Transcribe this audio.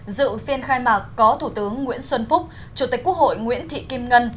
dự phiên khai mạc có thủ tướng nguyễn xuân phúc chủ tịch quốc hội nguyễn thị kim ngân